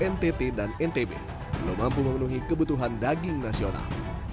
ntt dan ntb belum mampu memenuhi kebutuhan daging nasional